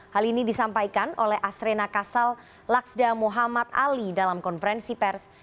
hal ini disampaikan oleh asrena kasal laksda muhammad ali dalam konferensi pers